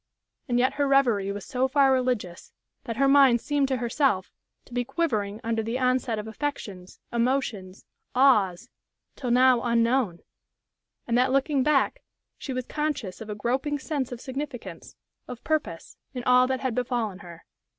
And yet her reverie was so far religious that her mind seemed to herself to be quivering under the onset of affections, emotions, awes, till now unknown, and that, looking back, she was conscious of a groping sense of significance, of purpose, in all that had befallen her.